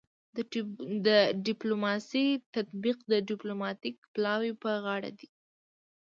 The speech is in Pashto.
د ډیپلوماسي تطبیق د ډیپلوماتیک پلاوي په غاړه دی